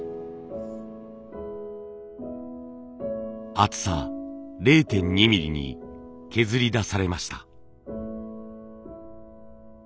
厚さ０．２ミリに削り出されました。